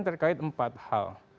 penyelidikan terkait empat hal